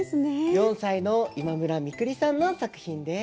４歳の今村みくりさんの作品です。